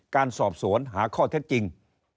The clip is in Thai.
การสอบสวนหาข้อเท็จจริง